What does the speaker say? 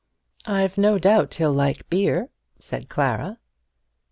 "I've no doubt he'll like beer," said Clara.